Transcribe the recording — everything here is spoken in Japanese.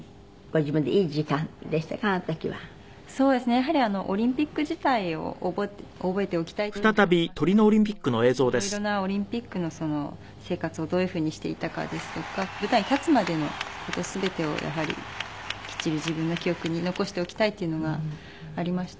やはりオリンピック自体を覚えておきたいっていうのがありましたのでやはり色々なオリンピックの生活をどういうふうにしていたかですとか舞台に立つまでの全てをやはりきっちり自分の記憶に残しておきたいっていうのがありまして。